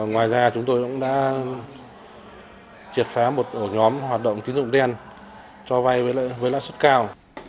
ngoài ra chúng tôi cũng đã triệt phá một ổ nhóm hoạt động tín dụng đen cho vay với lãi suất cao